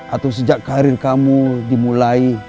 atau sejak karir kamu dimulai